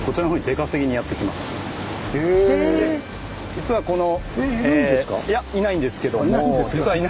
実はこの。